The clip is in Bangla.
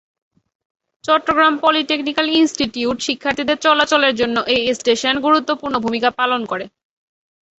চট্টগ্রাম পলিটেকনিক ইন্সটিটিউট শিক্ষার্থীদের চলাচলের জন্য এই স্টেশন গুরুত্বপূর্ণ ভুমিকা পালন করে।